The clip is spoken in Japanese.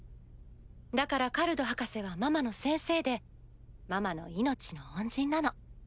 だからカルド博士はママの先生でママの命の恩人なの。